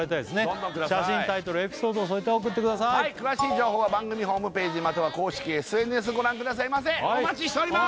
どんどんください写真タイトルエピソードを添えて送ってください詳しい情報は番組ホームページまたは公式ＳＮＳご覧くださいませお待ちしております